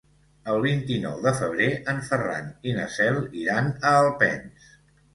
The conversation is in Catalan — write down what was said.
El vint-i-nou de febrer en Ferran i na Cel iran a Alpens.